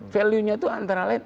value nya itu antara lain